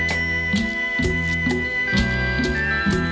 อินโทรเพลงที่๗มูลค่า๒๐๐๐๐๐บาทครับ